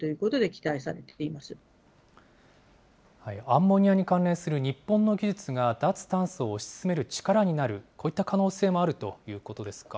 アンモニアに関連する日本の技術が脱炭素を推し進める力になる、こういった可能性もあるということですか。